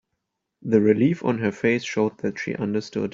The relief on her face showed that she understood.